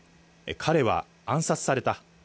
彼は暗殺された。